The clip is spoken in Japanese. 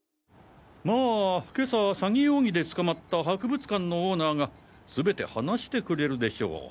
まあ今朝詐欺容疑で捕まった博物館のオーナーが全て話してくれるでしょう。